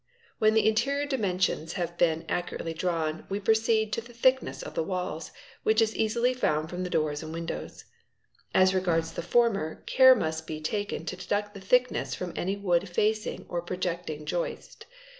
When the interior dimensions have been accurately drawn we proceed to the thickness of the walls, which is easily yind from the doors and windows. As regards the former, care must be ken to deduct the thickness of any wood facing or projecting joist.